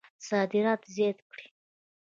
صادرات زیات کړئ